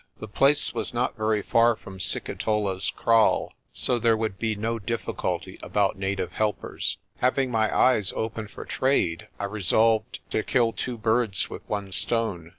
The place was not very far from Sikitola's kraal, so there would be no difficulty about native helpers. Having my eyes open for trade, I resolved to kill two birds with one stone.